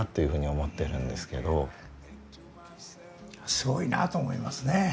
すごいなと思いますね。